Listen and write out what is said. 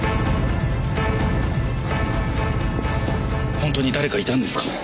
ほんとに誰かいたんですか？